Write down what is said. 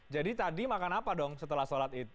jadi tadi makan apa dong setelah sholat itu